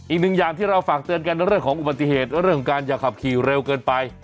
อย่างที่เราฝากเตือนกันเรื่องของอุบัติเหตุเรื่องของการอย่าขับขี่เร็วเกินไป